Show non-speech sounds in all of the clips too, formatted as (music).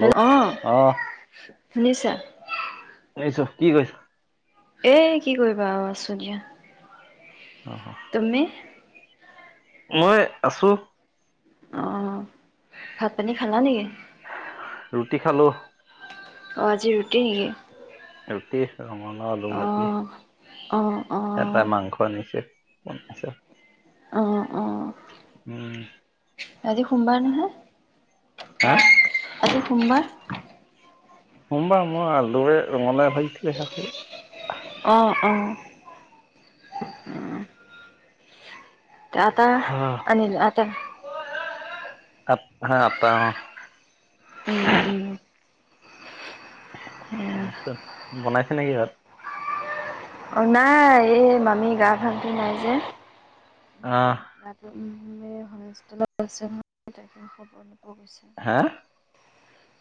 Hello অ শুনিছা। শুনিছো কি কৈছ। এ কি কৰিবা আৰু আছো দিয়া। উম। তুমি। মই আছো। অ' ভাত পানী খালা নেকি। ৰুটি খালো। অ' আজি ৰুটি নেকি। ৰুটি ৰঙালাও আলু অ ভাজি অ অ এটাই মাংস আনিছে। (unintelligible) অ' অ' উম আজি সোমবাৰ নহয়। হা (inaudible) আৰু। সোমবাৰ। সোমবাৰ মই আলুৱে ৰঙালাই ভাজি চিলে। (inaudible) আহঁ অঁ। আতা আ আনিলে আতা। আ হা আতা। উম উম বনাইছে নেকি ভাত। অ' নাই এই মামি গা ভালটো নাই যে। অ'। (inaudible) অৱশ্যে। হা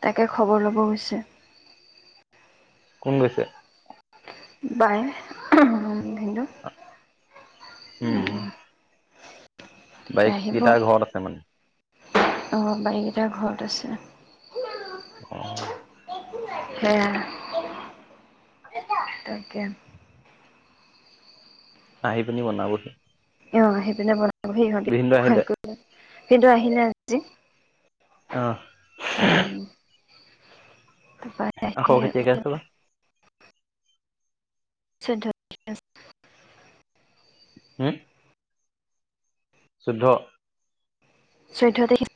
তাকে খবৰ ল'ব গৈছে। কোন গৈছে। বায়। (unintelligible) বাই কেইটা ঘৰত আছে মানে। অঁ বাৰীকেইটাাৰ ঘৰত আছে অ' হেয়া। তাকে। আহি পিনি বনাবহি অ সেইপিনে বনা (unintelligible) সেই ভিনদেউ (unintelligible) আহিলে খুৱাই কৰি পেলায় সিটো আহিলে আজি আহ। উম তাৰপৰা অ' খৌ আহি খেতিয়াকে আছো (unintelligible) (inaudible) হম? চোধ্ চৈধ্যতাৰিখে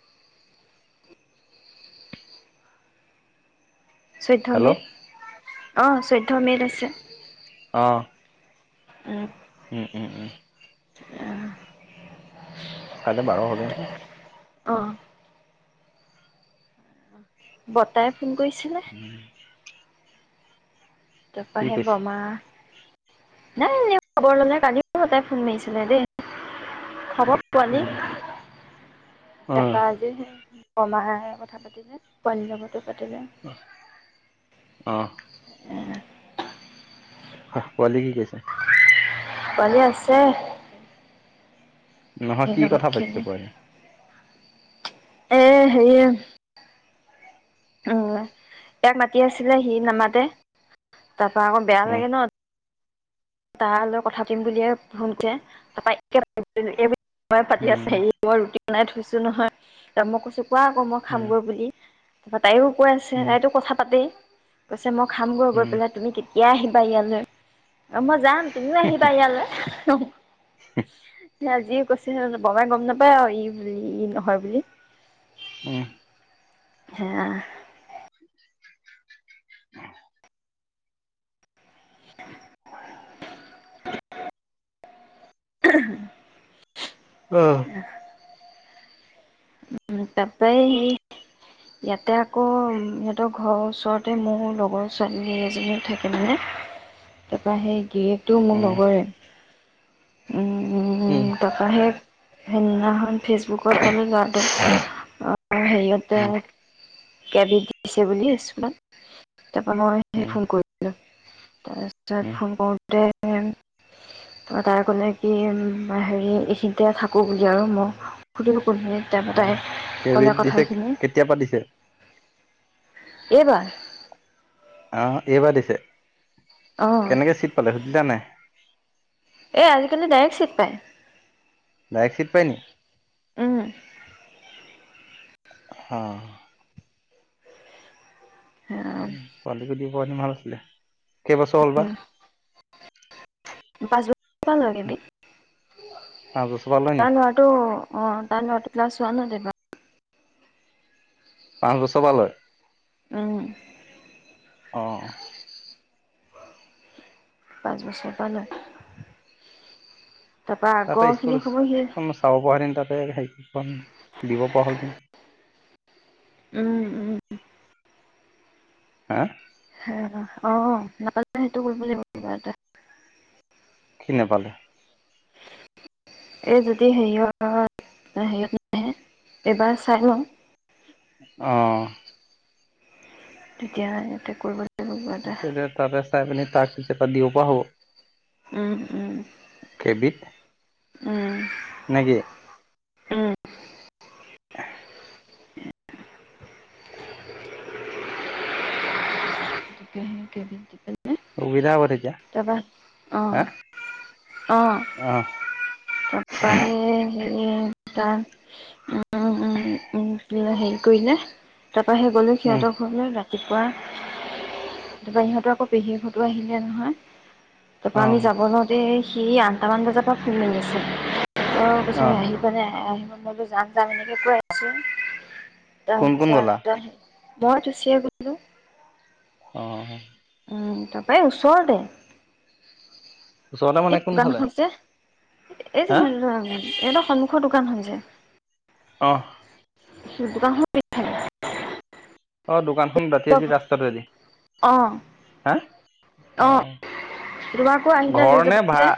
হেল্ল' চৈ্ধ্যযমেত অ' চৈধ্য মেইত আছে অহ। উম! উম -উম -উম! কাললৈ বাৰ হব হা অহ। বতাই, ফোন কৰিছিলে। উম, তাৰপৰা কি হে কৈছে বমা নাই এনে খবৰ ললে কালিও সদায় ফোন মাৰিছিলে দেই খাব পোৱলি, উম অ তাপা আজি সেই কমাহায়ৰ কথা পাতিলে পাঞ্জাৱতো পাতিলে আহ! উ। খ পোৱালেগ কচা পোৱালি আছে, নহয় এই কি লগত কথা পাতিছো খেলি ব এ সেৰি উম ইয়াক মাতি আছিলে সি নামাতে তাৰপা আকৌ বেয়া উম লাগে ন! তাৰ লগৈ কথা পতিম বুলিয়ে শুনতে তাৰ এইব বায়ে পাতি উম আছে হেয়ি, মই ৰুটি বনাই থৈছো নহয়, তা মই কৈছো কোৱা আকৌ মই উম খামগৈ বুলি। ত (unintelligible) তাইও কৈ আছে তাইতো কথা পাতেই আ মই খাম গৈ গৈ উম পেলাই তুমি কি এয় আহিবা ইয়ালৈ অ মই যাম তুমিও আহিবা ইয়ালৈ ৰ'ব (unintelligible) আজি কৈছে বমাই গম নাপায় আৰু ই বুলি ই নহয় বুলি উম হে (unintelligible) উম! উম তাৰাপই ইয়াতে ক'ম সিহঁতক ঘৰৰ ওচৰতে মোৰ লগৰ ছোৱালী এজনীও থাকে মানে তাৰপৰা সেই গিফ্ট টো মোৰ লগৰে উম! উম তটকাহে সেইদিনাখনখন ফেচবুকৰ তালে গ সেৰিয়তে উম কেবিধ দিছে বুলি কিছমান, তাৰপৰা মই সেই উম ফোন কৰিছিলো। উম তাৰপিছতফোন কৰোতে, তাই ক'লে কি হেৰি এইখিনতে থাকোঁ বুলি আৰু মই সুধো কো অ' কেইবিধ দিছে কেতিয়া পা দিছে এইবাৰ, অ এইবা দিছে অঁ কেনেকে চিট পালে সুধিলানে, এ আজিকালি ডাইৰেক্ট চিট পাই ড্ৰাই ফিট পায়নি উ, হ, পায় উ পালোগৈ দি অইন মাল আছে কেইবছৰ হ'ল বা পাঁচ ব লাগিবি পাঁচ বছৰ পৰা লয় নি তাৰ লৰাটো অ তাৰ ল'ৰাটো ক্লাছ ওৱানত এইবাৰ পাঁচ বছৰ পৰা লয় উম্ অ পাঁচ বছৰ পৰা লয় তাৰপৰা তাতে আগৰ খিনি সময় সি স্কুলখনো চাব পৰা হতি তাত ত হে দিব পৰা হ'লতেম উম উম হা অ অ নাযানো সেইটো কৰিব লাগিব কিবা এটা কি নেপালে এই যদি হেৰিয় হেৰিত নে এইবাৰ চাই লওঁ আহ তেতিয়া ইয়াতে কৰিব লাগিব কিবা এটা তেন্তে তাতে চাই মেলি তাক এটা দিওঁ, বাহু! উম উম কেবিত উম! নে কি আহ হে, সুবিধা হ'ব। তেতিয়া তাৰপা হা আহ আহ অ তাৰপ সেই ত হেৰি কৰিলে, তাৰৰা সেই গ'লো সিহঁতৰলৈ উম ৰাতি। ৰাতিপুৱা তাৰ পৰা ইহঁতৰ আকৌ পেহীয়েকহটো আহিছে নহয়। অ তাৰপৰা আমি যাব লওঁতে সি আঠটামান বজাৰ পৰা ফোন মাৰি আছে। অ' কৈছে আহিবা নে? বোলো যাম যাম এনেকে কৈ আছো ত কোন কোন চাল গ'লা মই ৰুচীয়ে গ'লো, অ'! তাৰপৰা ওচৰতে, ওচৰতে এই মানে কোনফালে দোকানখন যে এই হা যে সি এ, সন্মুখৰ দোকানখন যে, আহ! দোকানখনৰ পিছফালে, অ' দোকানখন বাদ দি আহি ৰাস্তাটো দি হা, অ তোমাকো আহিলে ঘৰ লৈ যাব নে যে ভাড়া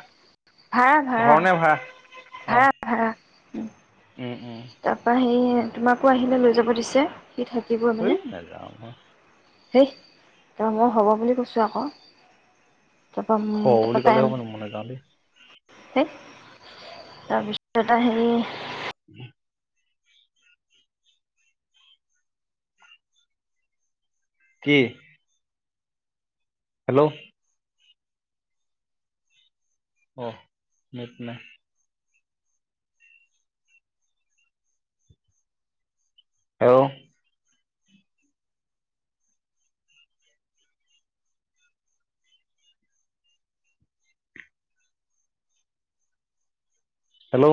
ঘৰ নে ভাড়া ভা়-ভা়-ভা়-ভা় উম উম-উম এই তোমাকো আহিলে লৈ যাব দিছে সি থাকিবই মানে হয় নাযাওঁ মই হেই তাৰৰা হ'ব বুলি কৈছোঁ আকৌ তাৰপা হ তাৰপা বুলি তাই ক'লে হ'বনি মই নাযাওঁ দেই তাৰপিছত হেৰি উম কি হেল্ল' আহ নেট নাই হ হেল্ল'